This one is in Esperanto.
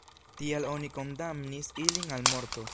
Tial oni kondamnis ilin al morto.